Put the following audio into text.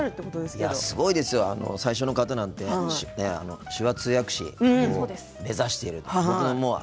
すごいですよ。最初の方なんて手話通訳士を目指しているという。